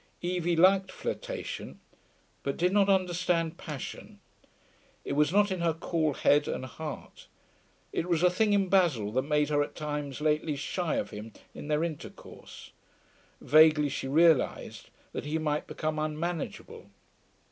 Evie liked flirtation, but did not understand passion; it was not in her cool head and heart. It was the thing in Basil that made her at times, lately, shy of him in their intercourse; vaguely she realised that he might become unmanageable.